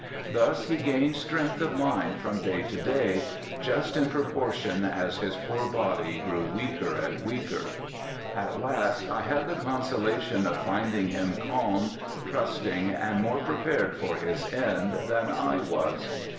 Thus he gained strength of mind from day to day just in proportion as his poor body grew weaker and weaker. At last I had the consolation of finding him calm, trusting, and more prepared for his end than I was.